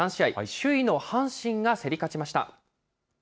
首位の阪神が競り勝ちました。